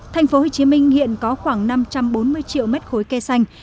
thành phố hồ chí minh hiện có khoảng năm trăm bốn mươi triệu mét khối cây xanh